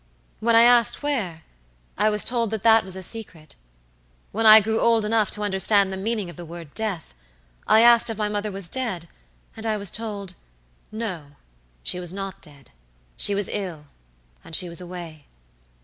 When I asked where, I was told that that was a secret. When I grew old enough to understand the meaning of the word death, I asked if my mother was dead, and I was told'No, she was not dead; she was ill, and she was away.'